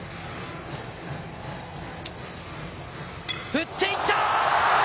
振っていった。